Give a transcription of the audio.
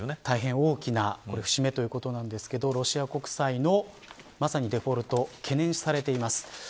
大変大きな節目ということでロシア国債のデフォルトが懸念されてます。